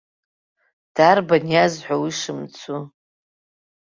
Дарбан иазҳәо уи шымцу?